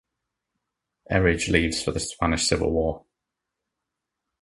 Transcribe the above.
Erridge leaves for the Spanish Civil War.